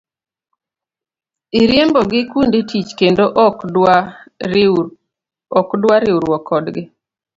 Iriembo gi kuonde tich kendo ok dwa riwruok kodgi.